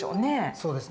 そうですね。